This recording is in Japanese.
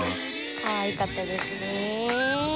かわいかったですね。